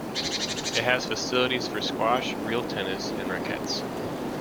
It has facilities for squash, real tennis, and racquets.